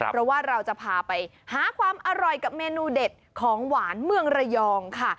เพราะว่าเราจะพาไปหาความอร่อยกับเมนูเด็ดของหวานเมืองระยองค่ะ